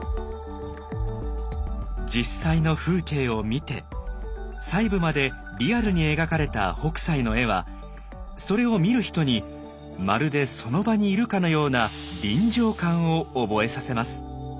実際の風景を見て細部までリアルに描かれた北斎の絵はそれを見る人にまるでその場にいるかのような「臨場感」を覚えさせます。